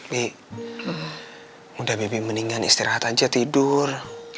bi mudah bebe mendingan istirahat aja tidur